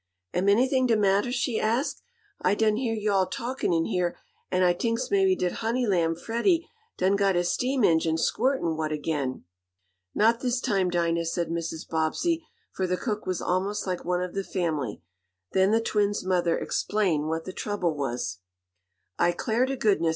"Am anyt'ing de mattah?" she asked. "I done heah yo' all talkin' in heah, an' I t'inks maybe dat honey lamb Freddie done got his steam enjine squirtin' watah ag'in." "Not this time, Dinah," said Mrs. Bobbsey, for the cook was almost like one of the family. Then the twins' mother explained what the trouble was. "I 'clar t' goodness!"